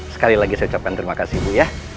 sekali lagi saya ucapkan terima kasih bu ya